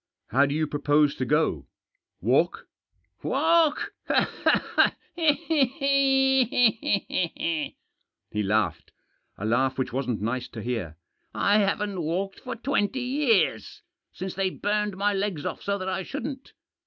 " How do you propose to go — walk ?" u Walk !" He laughed — a laugh which wasn't nice to hear. " I haven't walked for twenty years — since they burned my legs off so that I shouldn't.